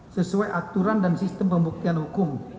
sesuai aturan dan sistem pembuktian hukum